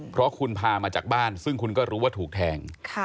เพราะคุณพามาจากบ้านซึ่งคุณก็รู้ว่าถูกแทง